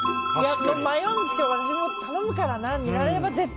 迷うんですけど私も頼むからな。